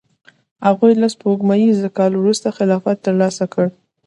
هغوی له سپوږمیز کال وروسته خلافت ترلاسه کړ.